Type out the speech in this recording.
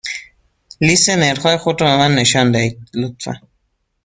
لیست نرخ های خود را به من نشان دهید، لطفا.